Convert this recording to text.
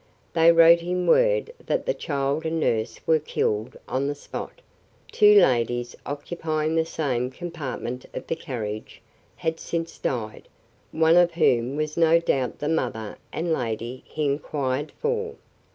They wrote him word that the child and nurse were killed on the spot; two ladies, occupying the same compartment of the carriage, had since died, one of whom was no doubt the mother and lady he inquired for.